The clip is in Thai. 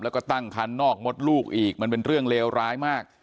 แล้วก็ตั้งคันนอกมดลูกอีกมันเป็นเรื่องเลวร้ายมาก